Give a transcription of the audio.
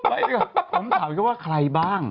ผมถามเขาว่าใครบ้าง